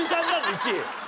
１位。